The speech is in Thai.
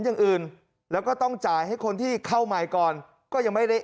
อย่างอื่นแล้วก็ต้องจ่ายให้คนที่เข้าใหม่ก่อนก็ยังไม่ได้